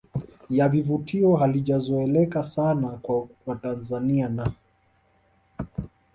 ya vivutio halijazoeleka sana kwa Watanzania na